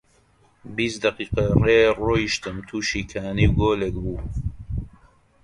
بیست دەقیقە ڕێ ڕۆیشتم، تووشی کانی و گۆلێک بوو